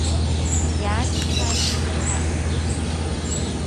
Иаамиԥааит ибласаркьақәа.